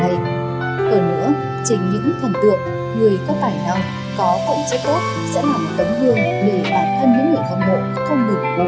hơn nữa trên những thần tượng người có tài năng có phẩm chất tốt sẽ là một tấm hương để bản thân những người hâm mộ không được cố gắng và hoàn thiện tốt hơn